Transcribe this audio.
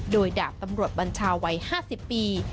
โดยดาบตำรวจบัญชาวัย๕๐ปี